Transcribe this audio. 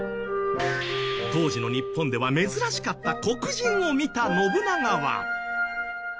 当時の日本では珍しかった黒人を見た信長は。